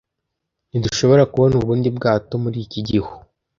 Ntidushoborano kubona ubundi bwato muri iki gihu.